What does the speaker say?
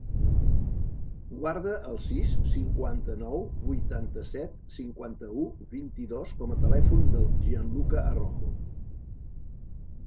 Guarda el sis, cinquanta-nou, vuitanta-set, cinquanta-u, vint-i-dos com a telèfon del Gianluca Arrojo.